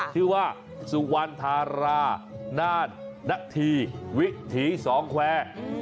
ที่ว่าสุวรรษภาษณ์นาฬนักฐีวิถีสองแควร์